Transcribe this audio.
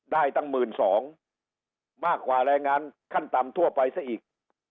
ได้ตั้งหมื่นสองมากกว่าแรงงานขั้นตำทั่วไปซะอีก